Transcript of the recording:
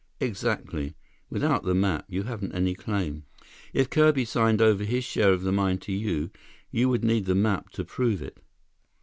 "Exactly. Without the map, you haven't any claim. If Kirby signed over his share of the mine to you, you would need the map to prove it."